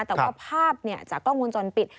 แต่ว่าภาพจากกล้องวงจรปิด